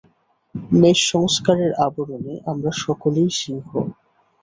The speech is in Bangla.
মেষ-সংস্কারের আবরণে আমরা সকলেই সিংহ।